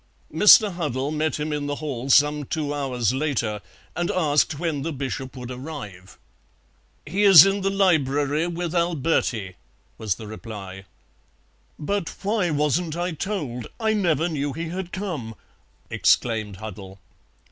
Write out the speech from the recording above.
Mr. Huddle met him in the hall some two hours later, and asked when the Bishop would arrive. "He is in the library with Alberti," was the reply. "But why wasn't I told? I never knew he had come!" exclaimed Huddle.